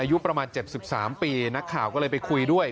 อายุประมาณ๗๓ปีนักข่าวก็เลยไปคุยด้วย